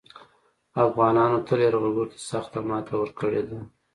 افغانانو تل یرغلګرو ته سخته ماته ورکړې ده